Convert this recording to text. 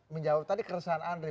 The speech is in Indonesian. menjawab tadi keresahan andri